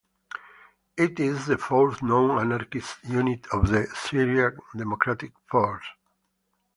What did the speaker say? It is the fourth known anarchist unit of the Syrian Democratic Forces.